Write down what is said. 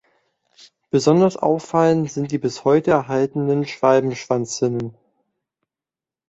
Besonders auffallend sind die bis heute erhaltenen Schwalbenschwanzzinnen.